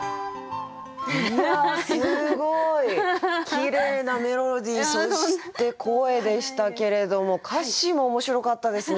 きれいなメロディーそして声でしたけれども歌詞も面白かったですね。